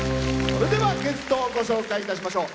それではゲストをご紹介しましょう。